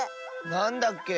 なんだっけ？